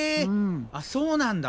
あっそうなんだ。